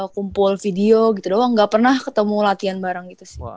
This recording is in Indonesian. kumpul video gitu doang gak pernah ketemu latihan bareng gitu sih